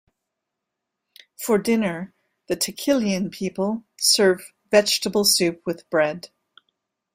For dinner, the Taquilean people serve vegetable soup with bread.